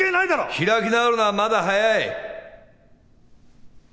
開き直るのはまだ早い。